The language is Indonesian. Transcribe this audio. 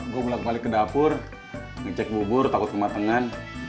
gue mulai balik ke dapur ngecek bubur takut kematangan